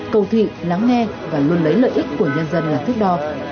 cầu thị lắng nghe và luôn lấy lợi ích của nhân dân là thước đo